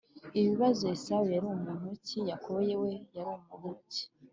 Ibibazo Esawu yari muntu ki Yakobo we yari muntu ki